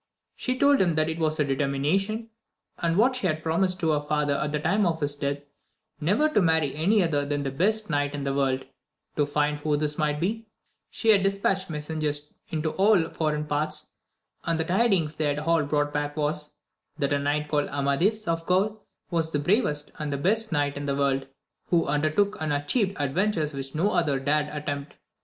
She told him that it was her determination, and what she had promised to her father at the time of his death, never to marry any other than the best knight in the world ; to find who this might be, she had dispatched messengers into all foreign parts, and the tidings they had all brought back was, that a knight called Amadis of Gaul was the bravest and best knight in the world, who undertook and atchieved adventures which no other dared attempt.